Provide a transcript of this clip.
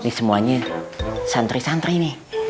ini semuanya santri santri nih